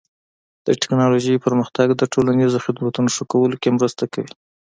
د ټکنالوژۍ پرمختګ د ټولنیزو خدمتونو ښه کولو کې مرسته کوي.